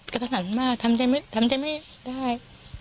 กระทับหันมากทำจะไม่ทำจะไม่ได้